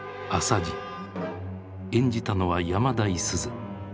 演じたのは山田五十鈴。